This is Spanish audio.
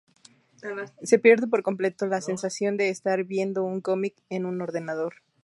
Se pierde por completo la sensación de estar viendo un cómic en un ordenador.